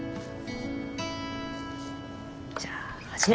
じゃあ始め。